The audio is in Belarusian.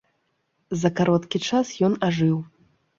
За кароткі час ён ажыў.